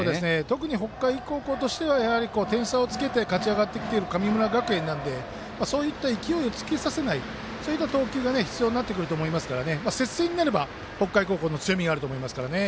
特に北海高校としては点差をつけて勝ち上がってきている神村学園なので勢いをつけさせない投球が必要になってくると思いますから接戦になれば北海高校の強みがあると思います。